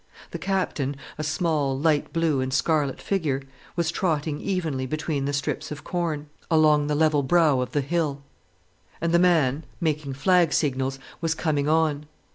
The Captain, a small, light blue and scarlet figure, was trotting evenly between the strips of corn, along the level brow of the hill. And the man making flag signals was coming on.